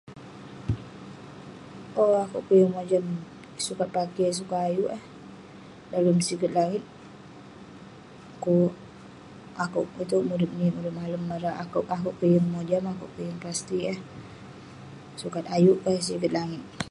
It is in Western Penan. Owk akouk peh yeng mojam. Sukat pakey sukat ayuk eh, dalem siget langit. Kuk akouk itouk murip malem, murip nik. Akouk peh yeng mojam. Akouk peh pasti eh. Sukat ayuk ke yeng siget langit.